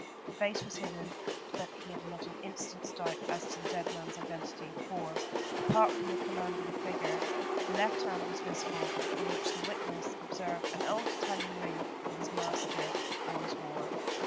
The face was hidden, but he had not an instant's doubt as to the dead man's identity, for, apart from the commanding figure, the left hand was visible, on which the witness observed an old Italian ring that his master always wore.